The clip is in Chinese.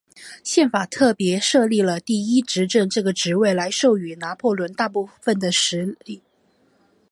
宪法特别设立了第一执政这个职位来授予拿破仑大部分的权力。